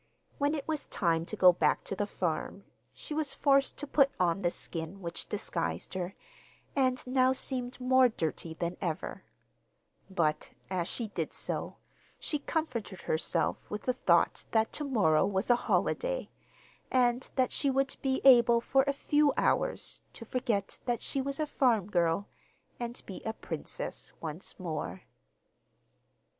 When it was time to go back to the farm, she was forced to put on the skin which disguised her, and now seemed more dirty than ever; but, as she did so, she comforted herself with the thought that to morrow was a holiday, and that she would be able for a few hours to forget that she was a farm girl, and be a princess once more.